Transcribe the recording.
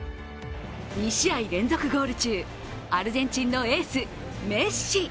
２試合連続ゴール中、アルゼンチンのエース・メッシ。